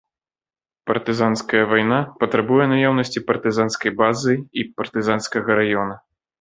Партызанская вайна патрабуе наяўнасці партызанскай базы і партызанскага раёна.